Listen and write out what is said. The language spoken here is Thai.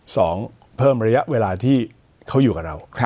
สองเพิ่มระยะเวลาที่เขาอยู่กับเรา